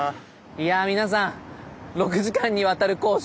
いや皆さん６時間にわたる講習